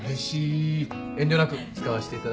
遠慮なく使わしていただきます。